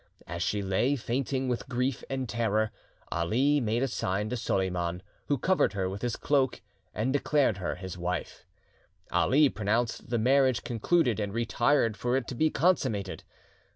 As she lay, fainting with grief and terror, Ali made, a sign to Soliman, who covered her with his cloak, and declared her his wife. Ali pronounced the marriage concluded, and retired for it to be consummated.